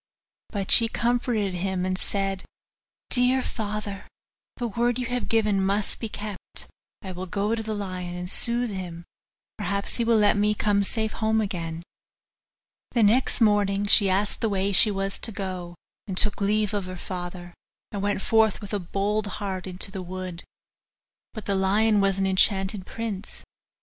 But she comforted him, and said, 'Dear father, the word you have given must be kept; I will go to the lion, and soothe him: perhaps he will let me come safe home again.' The next morning she asked the way she was to go, and took leave of her father, and went forth with a bold heart into the wood. But the lion was an enchanted prince.